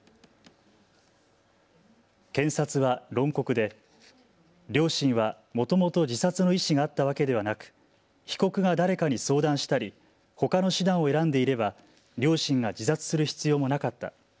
検察は論告で両親はもともと自殺の意思があったわけではなく被告が誰かに相談したり、ほかの手段を選んでいれば両親が自殺する必要もなかった。